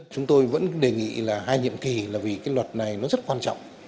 chúng tôi vẫn đề nghị là hai nhiệm kỳ là vì cái luật này nó rất quan trọng